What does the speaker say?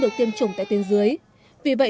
được tiêm chủng tại tuyên dưới vì vậy